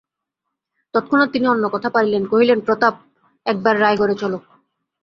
তৎক্ষণাৎ তিনি অন্য কথা পাড়িলেন, কহিলেন, প্রতাপ, একবার রায়গড়ে চলো।